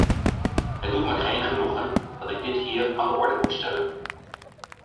Het doet me geen genoegen dat ik dit hier aan de orde moet stellen.